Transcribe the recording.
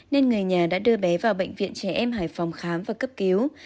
nên người nhà đã đưa bé vào bệnh viện trẻ em hải phòng khám và cấp cứu